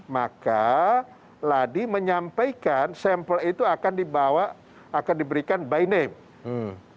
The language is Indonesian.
maka ladi menyampaikan sampel itu akan diberikan by name